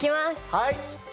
はい。